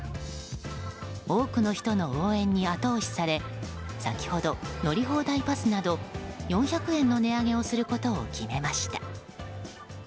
多くの人の応援に後押しされ先ほど乗り放題パスなど４００円の値上げをすることを決めました。